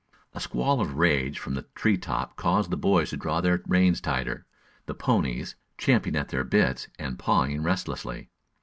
A squall of rage from the tree top caused the boys to draw their reins tighter, the ponies champing at their bits and pawing restlessly.